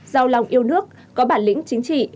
giàu lòng yêu nước có bản lĩnh chính trị